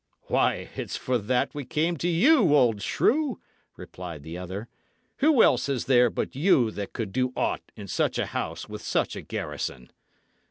"Why, it's for that we came to you, old shrew!" replied the other. "Who else is there but you that could do aught in such a house with such a garrison?"